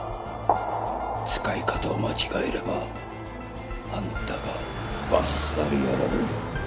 使い方を間違えればあんたがバッサリやられる。